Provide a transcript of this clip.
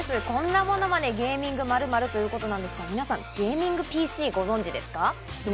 こんなものまでゲーミング○○ということですが、皆さん、ゲーミングＰＣをご存知ですか？